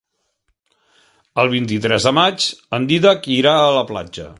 El vint-i-tres de maig en Dídac irà a la platja.